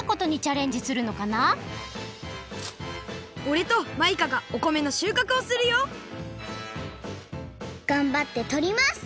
おれとマイカがおこめのしゅうかくをするよがんばってとります